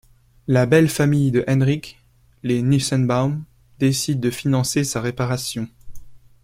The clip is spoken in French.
La belle famille de Henryk, les Nissenbaum, décide de financer sa réparation.